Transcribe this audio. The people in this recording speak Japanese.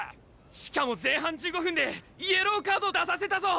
しかも前半１５分でイエローカード出させたぞ！